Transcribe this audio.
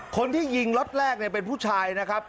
คนที่ยิงล็อตแรกเป็นผู้ชายนะครับ